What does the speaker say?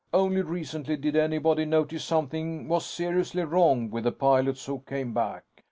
Only recently did anybody notice something was seriously wrong with the pilots who came back.